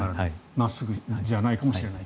真っすぐじゃないかもしれない。